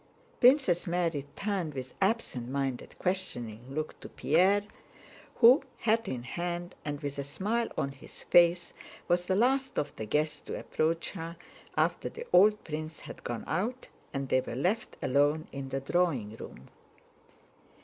Princess Mary turned with absent minded questioning look to Pierre, who hat in hand and with a smile on his face was the last of the guests to approach her after the old prince had gone out and they were left alone in the drawing room.